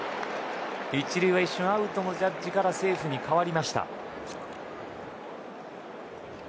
１塁は一瞬アウトのジャッジからセーフに変わりました。